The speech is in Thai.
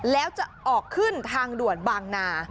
แล้วจะออกขึ้นทางด่วนบางนา